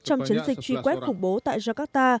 trong chiến dịch truy quét khủng bố tại jakarta